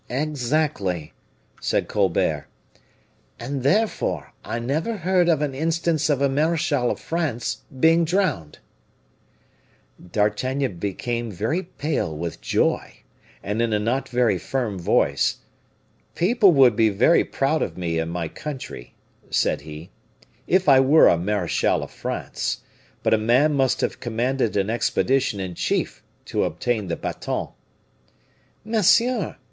"Exactly," said Colbert. "And, therefore, I never heard of an instance of a marechal of France being drowned." D'Artagnan became very pale with joy, and in a not very firm voice, "People would be very proud of me in my country," said he, "if I were a marechal of France; but a man must have commanded an expedition in chief to obtain the baton." "Monsieur!"